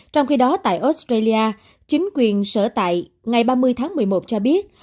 trong khi đó tại australia chính quyền sở tại ngày ba mươi tháng một mươi một cho biết